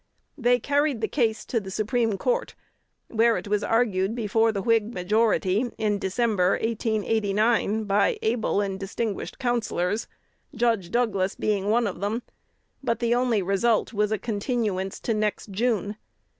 They carried the case to the Supreme Court, where it was argued before the Whig majority, in December, 1889, by able and distinguished counsellors, Judge Douglas being one of them; but the only result was a continuance to the next June.